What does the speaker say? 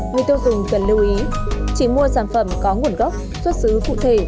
người tiêu dùng cần lưu ý chỉ mua sản phẩm có nguồn gốc xuất xứ cụ thể